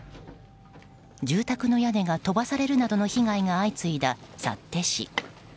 住宅の屋根が飛ばされるなどの被害が相次いだ幸手市。